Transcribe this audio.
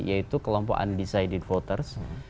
yaitu kelompok undecided voters